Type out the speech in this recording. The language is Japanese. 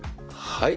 はい。